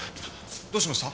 どうしました？